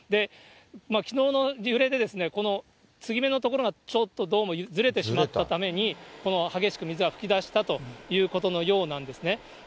きのうの揺れで、この継ぎ目の所はちょっとどうもずれてしまったために、この激しく水が噴き出してしまったということのようなんですね。